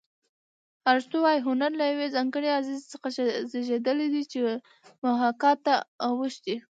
ارستو وايي هنر له یوې ځانګړې غریزې څخه زېږېدلی چې محاکات ته اوښتې